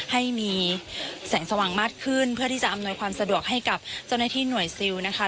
ให้มีแสงสว่างมากขึ้นเพื่อที่จะอำนวยความสะดวกให้กับเจ้าหน้าที่หน่วยซิลนะคะ